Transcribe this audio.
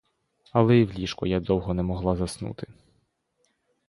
Але і в ліжку я довго не могла заснути.